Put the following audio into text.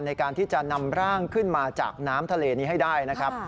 ในการที่จะนำร่างขึ้นมาจากน้ำทะเลนี้ให้ได้นะครับ